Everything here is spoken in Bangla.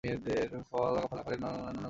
পাকা ফল আকারে ও গুণে নানা রকমের হতে পারে।